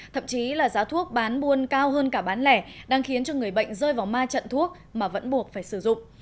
thậm chí là giá thuốc bán buôn cao hơn cả bán lẻ đang khiến cho người bệnh rơi vào ma trận thuốc mà vẫn buộc phải sử dụng